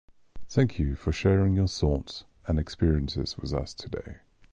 Thank you for sharing your thoughts and experiences with us today.